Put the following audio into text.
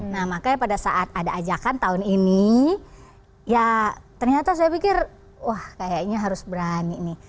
nah makanya pada saat ada ajakan tahun ini ya ternyata saya pikir wah kayaknya harus berani nih